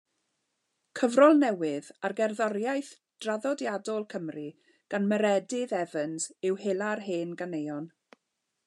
Cyfrol newydd ar gerddoriaeth draddodiadol Cymru gan Meredydd Evans yw Hela'r Hen Ganeuon.